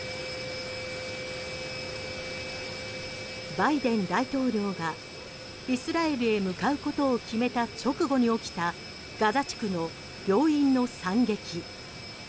バイデン大統領がイスラエルへ向かうことを決めた直後に起きたガザ地区の病院の惨劇。